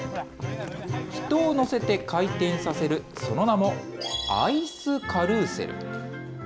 人を乗せて回転させる、その名もアイスカルーセル。